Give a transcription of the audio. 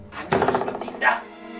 kanjang sunan tindak